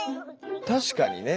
確かにね。